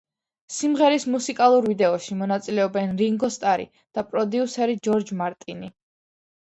სიმღერის მუსიკალურ ვიდეოში მონაწილეობენ რინგო სტარი და პროდიუსერი ჯორჯ მარტინი.